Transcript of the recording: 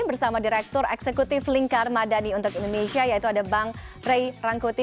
bersama direktur eksekutif lingkar madani untuk indonesia yaitu ada bang ray rangkuti